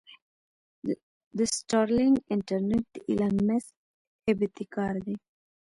د سټارلنک انټرنټ د ايلان مسک ابتکار دې.